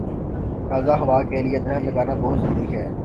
تازہ ہوا کے لیے درخت لگانا بہت ضروری ہے۔